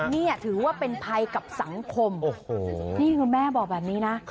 นี่ถือว่าเป็นภัยกับสังคมโอ้โหนี่คือแม่บอกแบบนี้นะ